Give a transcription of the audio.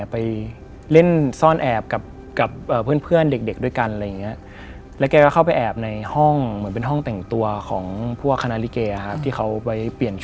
พอซื้อมาแล้วเนี่ย